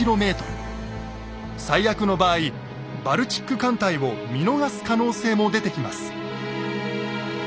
最悪の場合バルチック艦隊を見逃す可能性も出てきます。